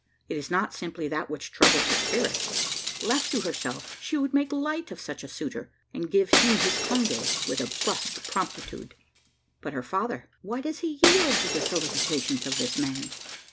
It is not simply that which troubles her spirits. Left to herself, she would make light of such a suitor, and give him his conge with a brusque promptitude. But her father why does he yield to the solicitations of this man?